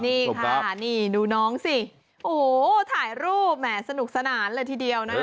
นี่ค่ะนี่ดูน้องสิโอ้โหถ่ายรูปแหมสนุกสนานเลยทีเดียวนะ